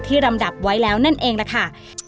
ลำดับไว้แล้วนั่นเองล่ะค่ะ